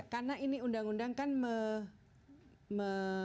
karena ini undang undang kan me